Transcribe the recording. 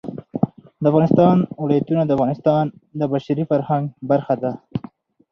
د افغانستان ولايتونه د افغانستان د بشري فرهنګ برخه ده.